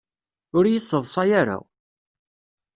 Ur yi-ssaḍsay ara!